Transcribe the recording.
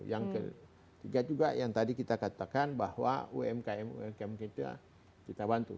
yang ketiga juga yang tadi kita katakan bahwa umkm umkm kita kita bantu